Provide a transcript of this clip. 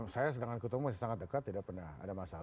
saya sedangkan ketua umum masih sangat dekat tidak pernah ada masalah